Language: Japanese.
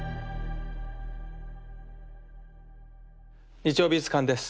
「日曜美術館」です。